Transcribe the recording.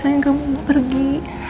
saya nggak mau pergi